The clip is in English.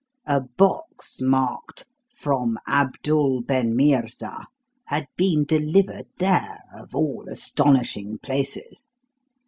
A box marked 'From Abdul ben Meerza' had been delivered there, of all astonishing places.